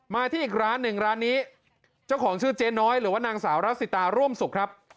มาที่อีกร้านหนึ่งร้านนี้เจ้าของชื่อเจ๊น้อยหรือว่านางสาวรัสสิตาร่วมสุขครับ